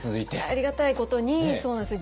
ありがたいことにそうなんですよ。